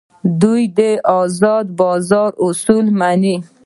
دوی د ازاد بازار اصول مني.